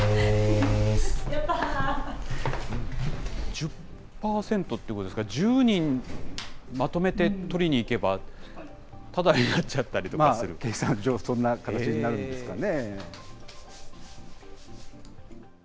１０％ということですか、１０人まとめて取りに行けばただに計算上、そんな形になるんですかね。